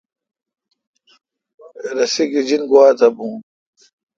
رسی گیجنگوا تھ بھو۔